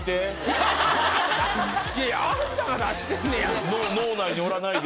いやいやあんたが出してんねやんか！